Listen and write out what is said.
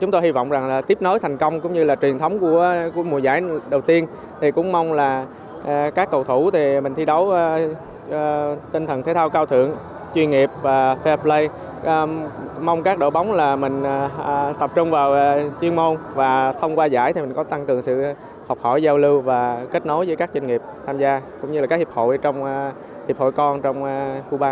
tập trung vào chuyên môn và thông qua giải thì mình có tăng cường sự học hỏi giao lưu và kết nối với các doanh nghiệp tham gia cũng như các hiệp hội trong hiệp hội con trong huba